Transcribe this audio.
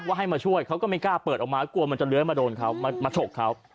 ให้มาช่วยเขาก็ไม่กล้าเปิดออกมากลัวมันจะเลื้อยมาโดนเขามาฉกเขา